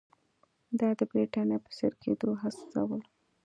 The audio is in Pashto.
دا د برېټانیا په څېر کېدو ته هڅول.